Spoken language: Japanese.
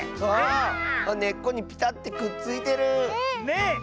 あねっこにピタッてくっついてる！ね！